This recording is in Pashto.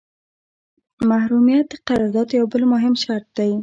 محرمیت د قرارداد یو بل مهم شرط دی.